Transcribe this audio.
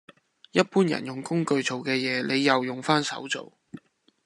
一般人用工具做嘅嘢，你又用返手做